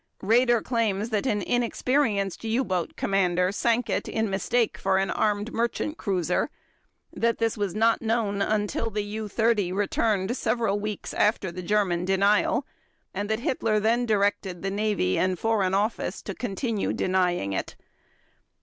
Raeder claims that an inexperienced U boat commander sank it in mistake for an armed merchant cruiser, that this was not known until the U 30 returned several weeks after the German denial and that Hitler then directed the Navy and Foreign Office to continue denying it.